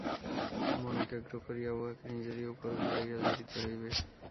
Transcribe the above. মন একাগ্র করিয়া উহাকে নিজেরই উপর ঘুরাইয়া ধরিতে হইবে।